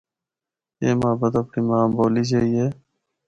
اے محبت اپڑی ماں بولی جئی اے۔